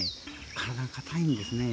体が硬いんですね。